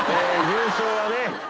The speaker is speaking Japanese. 優勝はね